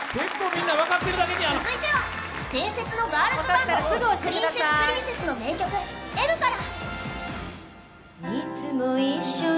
続いては伝説のガールズバンドプリンセスプリンセスの名曲「Ｍ」から。